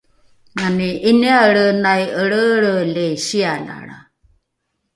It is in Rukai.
mani ’iniaelrenai elreelreeli sialalra